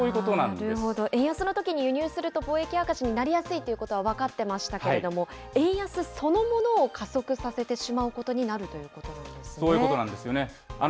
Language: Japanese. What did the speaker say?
なるほど、円安のときに輸入すると、貿易赤字になりやすいということは分かってましたけれども、円安そのものを加速させてしまうことになるということなんですね。